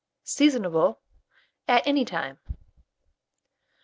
Seasonable at any time.